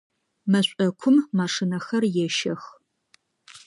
Мэшӏокум машинэхэр ещэх.